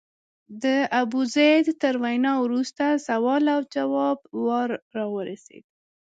د ابوزید تر وینا وروسته سوال او ځواب وار راورسېد.